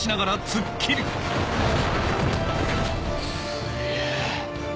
すげぇ。